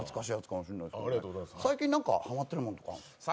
最近何かハマってることって？